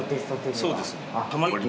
そうですね。